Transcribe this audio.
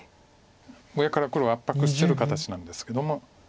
上から黒圧迫してる形なんですけども。